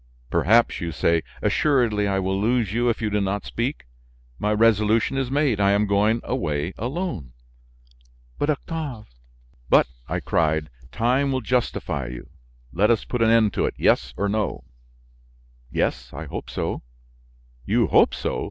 "Perhaps, you say? Assuredly I will lose you if you do not speak; my resolution is made: I am going away alone." "But, Octave " "But," I cried, "time will justify you! Let us put an end to it; yes or no?" "Yes, I hope so." "You hope so!